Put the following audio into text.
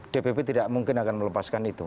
dpp tidak mungkin akan melepaskan itu